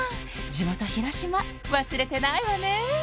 地元広島忘れてないわね